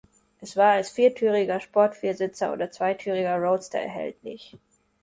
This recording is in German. Es war als viertüriger Sport-Viersitzer oder zweitüriger Roadster erhältlich.